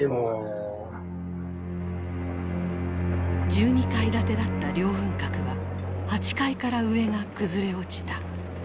１２階建てだった凌雲閣は８階から上が崩れ落ちた。